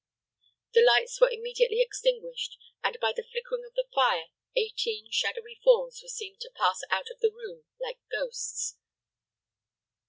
The lights were immediately extinguished, and, by the flickering of the fire, eighteen shadowy forms were seen to pass out of the room like ghosts.